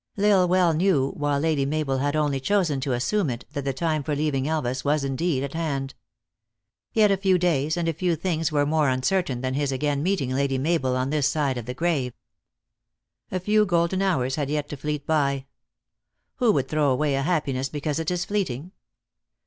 L Isle well knew, while Lady Mabel had only chosen to assume it, that the time for leaving Elvas was indeed at hand. Yet a few days, and a few things were more uncertain than his again meeting Lady Mabel on this side of the grave. A few golden hours had yet to fleet by. Who would throw away a happiness because it is fleeting